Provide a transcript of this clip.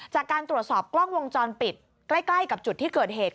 จากการตรวจสอบกล้องวงจรปิดใกล้กับจุดที่เกิดเหตุ